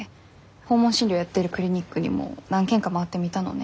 訪問診療やってるクリニックにも何軒か回ってみたのね。